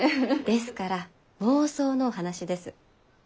ですから妄想のお話です。